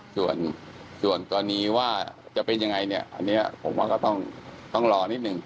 ส่วนตอนนี้ว่าจะเป็นยังไงเนี่ยผมว่าก็ต้องรอนิดนึง